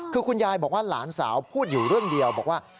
คือคุณยายบอกว่าหลานสาวพูดอยู่เรื่องเดียวบอกว่า